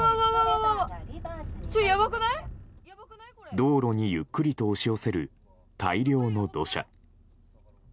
道路にゆっくりと押し寄せる大量の土砂。